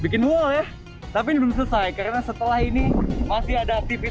kemudian untuk dihubung sambil penutup atau nih basis ini